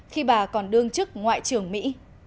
khi bà còn đương chức ngoại trưởng mỹ